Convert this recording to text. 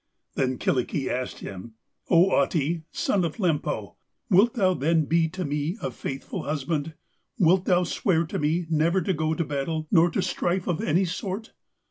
Then Kyllikki asked him: 'O Ahti, son of Lempo, wilt thou then be to me a faithful husband; wilt thou swear to me never to go to battle nor to strife of any sort?'